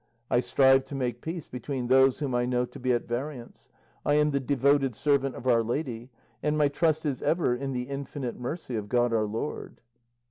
I strive to make peace between those whom I know to be at variance; I am the devoted servant of Our Lady, and my trust is ever in the infinite mercy of God our Lord."